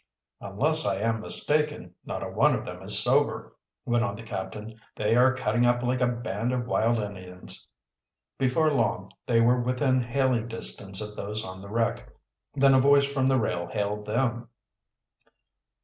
"Unless I am mistaken, not a one of them is sober," went on the captain. "They are cutting up like a band of wild Indians." Before long they were within hailing distance of those on the wreck. Then a voice from the rail hailed them.